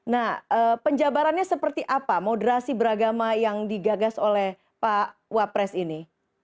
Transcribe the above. nah penjabarannya seperti apa moderasi beragama yang digagas oleh pak wapres ini